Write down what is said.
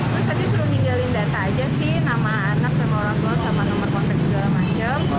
mas tadi suruh ninggalin data aja sih nama anak sama orang tua sama nomor konten segala macam